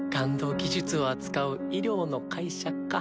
技術を扱う医療の会社か。